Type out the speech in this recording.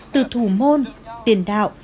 từ thủ môn tiền đạo